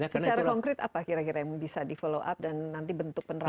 secara konkret apa kira kira yang bisa di follow up dan nanti bentuk penerapannya